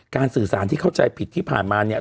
สื่อสารที่เข้าใจผิดที่ผ่านมาเนี่ย